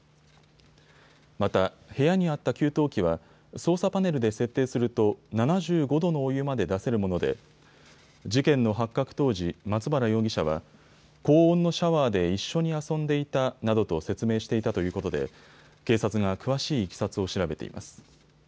また、部屋にあった給湯器は操作パネルで設定すると７５度のお湯まで出せるもので事件の発覚当時、松原容疑者は高温のシャワーで一緒に遊んでいたなどと説明していたということで警察が詳しいいきさつを調べています。